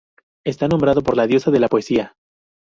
Está nombrado por la diosa de la poesía.